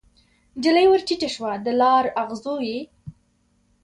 نجلۍ ورټیټه شوه د لار اغزو یې